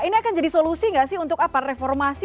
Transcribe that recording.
ini akan jadi solusi nggak sih untuk apa reformasi